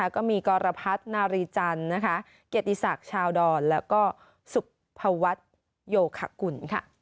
ก็มีกรพรรดินารีจันทร์เกติศักดิ์ชาวดรและก็สุภวัตยกคกุณ์